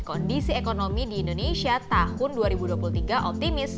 kondisi ekonomi di indonesia tahun dua ribu dua puluh tiga optimis